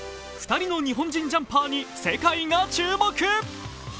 ２人の日本人ジャンパーに世界が注目。